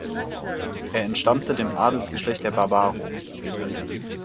Er entstammte dem Adelsgeschlecht der Barbaro.